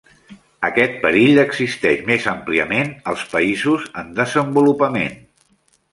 Aquest perill existeix més àmpliament als països en desenvolupament.